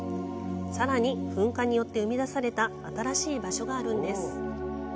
さらに、噴火によって生み出された新しい場所があるんです。